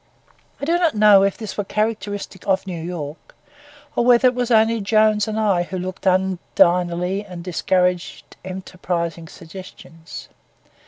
I do not know if this were characteristic of New York, or whether it was only Jones and I who looked un dinerly and discouraged enterprising suggestions.